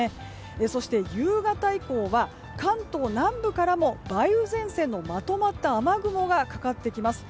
そして夕方以降は関東南部からも梅雨前線のまとまった雨雲がかかります。